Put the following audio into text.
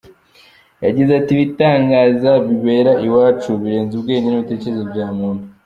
Yagize ati “Ibitangaza bibera iwacu birenze ubwenge n’imitekerereze bya muntu.